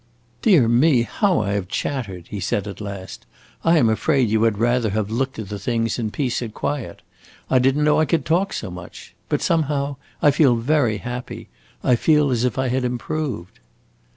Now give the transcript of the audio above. "Dear me, how I have chattered!" he said at last. "I am afraid you had rather have looked at the things in peace and quiet. I did n't know I could talk so much. But somehow, I feel very happy; I feel as if I had improved."